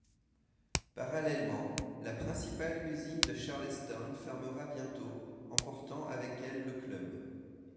Parallèlement, la principale usine de Charlestown fermera bientôt, emportant avec elle le club.